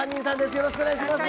よろしくお願いします。